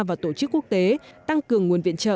và tổ chức quốc tế tăng cường nguồn viện trợ